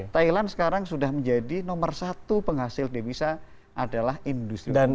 thailand sekarang sudah menjadi nomor satu penghasil devisa adalah industri